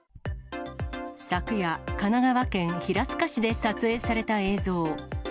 昨夜、神奈川県平塚市で撮影された映像。